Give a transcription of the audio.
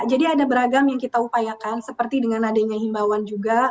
jadi ada beragam yang kita upayakan seperti dengan adanya himbauan juga